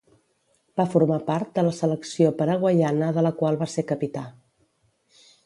Va formar part de la Selecció Paraguaiana de la qual va ser Capità.